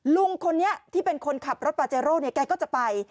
ลุงคนนี้ที่เป็นคนขับรถปาเจโร่เนี่ยแกก็จะไป